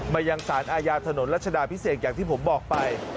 มายังสารอาญาถนนรัชดาพิเศษอย่างที่ผมบอกไป